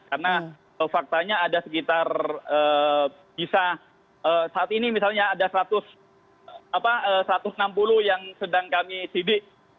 karena faktanya ada sekitar bisa saat ini misalnya ada satu ratus enam puluh yang sedang kami sidik